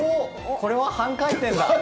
これは半回転だ。